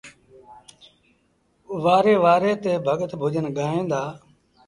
وآري وآري تي ڀڳت ڀُڄن ڳائيٚݩ دآ